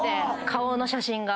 顔の写真が。